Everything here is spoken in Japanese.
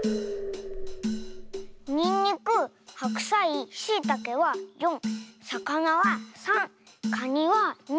にんにくはくさいしいたけは４さかなは３カニは２。